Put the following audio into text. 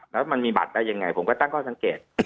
แล้วมันมีบัตรได้ยังไงผมก็ตั้งข้อสังเกต